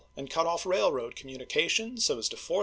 and cut on railroad communication, so as to lorce w.